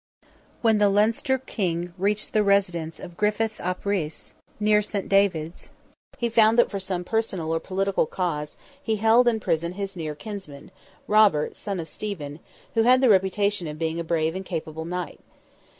When the Leinster King reached the residence of Griffith ap Rhys, near St. David's, he found that for some personal or political cause he held in prison his near kinsman, Robert, son of Stephen, who had the reputation of being a brave and capable knight.